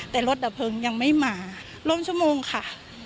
แต่รถดับเพลิงยังไม่มาร่วมชั่วโมงค่ะ